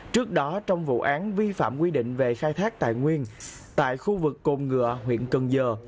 trước đó trong vụ án vi phạm quy định về khai thác tài nguyên tại khu vực cồn ngựa huyện cần giờ